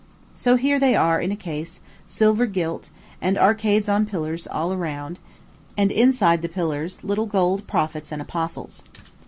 So here they are in a case, silver gilt, and arcades on pillars all round; and, inside the pillars, little gold prophets and apostles.